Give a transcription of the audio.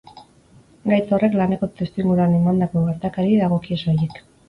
Gaitz horrek laneko testuinguruan emandako gertakariei dagokie soilik.